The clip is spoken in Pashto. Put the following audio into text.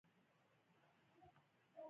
که لار سمه وټاکل شي، نو منزل به نږدې شي.